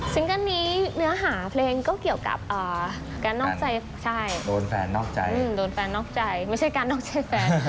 เกิ้ลนี้เนื้อหาเพลงก็เกี่ยวกับการนอกใจใช่โดนแฟนนอกใจโดนแฟนนอกใจไม่ใช่การนอกใจแฟน